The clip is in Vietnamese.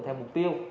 theo mục tiêu